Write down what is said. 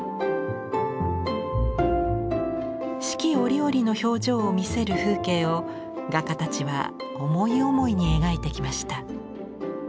四季折々の表情を見せる風景を画家たちは思い思いに描いてきました。